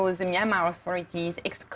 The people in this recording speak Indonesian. otoritas myanmar mengelakkan mereka